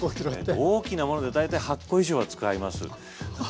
大きなもので大体８個以上は使います。